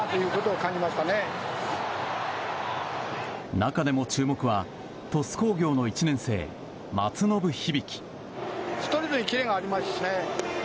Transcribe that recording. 中でも注目は鳥栖工業の１年生、松延響。